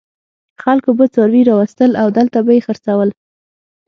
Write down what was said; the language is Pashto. خلکو به څاروي راوستل او دلته به یې خرڅول.